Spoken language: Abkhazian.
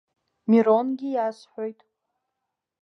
Миронгьы иасҳәоит.